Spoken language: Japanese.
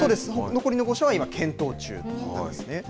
残りの５社は今、検討中ということなんですね。